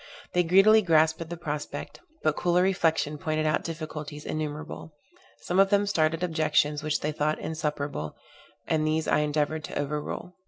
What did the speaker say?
They greedily grasped at the prospect; but cooler reflection pointed out difficulties innumerable: some of them started objections which they thought insuperable, and these I endeavored to overrule.